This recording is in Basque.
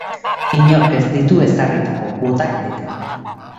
Inork ez ditu ezarritako kuotak bete.